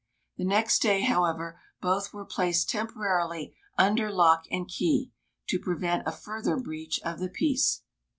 The next day, however, both were placed temporarily under lock and key, to prevent a further breach of the peace.